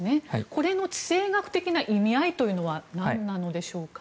これの地政学的な意味合いというのは何なんでしょうか？